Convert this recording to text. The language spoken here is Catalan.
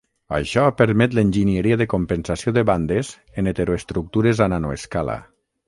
Això permet l'enginyeria de compensació de bandes en heteroestructures a nanoescala.